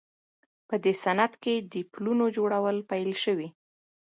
په دې سیند کې د پلونو جوړول پیل شوي